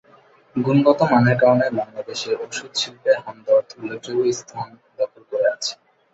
গুণগত মানের কারণে বাংলাদেশে ওষুধ শিল্পে হামদর্দ উল্লেখযোগ্য স্থান দখল করে আছে।